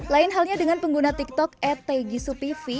lain halnya dengan pengguna tiktok adtegisu pv